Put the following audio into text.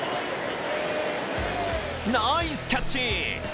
ナイスキャッチ！